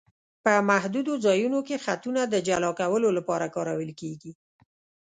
په محدودو ځایونو کې خطونه د جلا کولو لپاره کارول کیږي